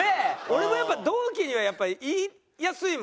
俺もやっぱり同期にはやっぱり言いやすいもん。